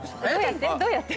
どうやって？